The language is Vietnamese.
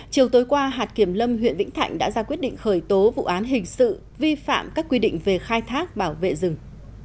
chiều tối qua hạt kiểm lâm huyện vĩnh thạnh đã ra quyết định khởi tố vụ án hình sự vi phạm các quy định về khai thác bảo vệ rừng